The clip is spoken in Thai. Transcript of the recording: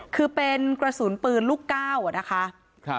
คือเป็นกระสุนปืนลูก๙นะคะ